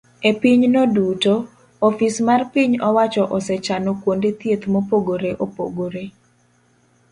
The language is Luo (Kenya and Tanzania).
E pinyno duto, ofis mar piny owacho osechano kuonde thieth mopogore opogore